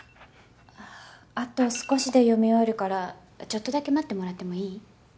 あと少しで読み終わるからちょっとだけ待ってもらってもいい？